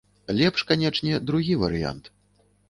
Лепш канечне другі варыянт.